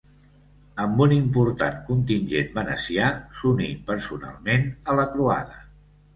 Amb un important contingent venecià, s'uní personalment a la Croada.